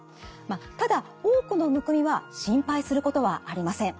ただ多くのむくみは心配することはありません。